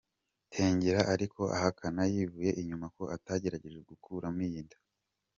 Tengera ariko ahakana yivuye inyuma ko atagerageje gukuramo iyi nda.